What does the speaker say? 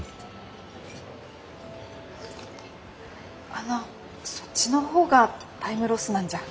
あのそっちの方がタイムロスなんじゃ。